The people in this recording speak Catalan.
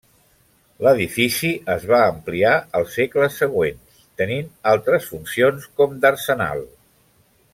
L'edifici es va ampliar als segles següents, tenint altres funcions, com d'arsenal.